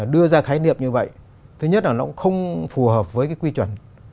đưa ra khái niệm như vậy thứ nhất là nó cũng không phù hợp với cái quy chuẩn